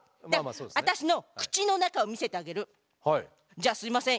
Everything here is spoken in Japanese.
じゃあすいません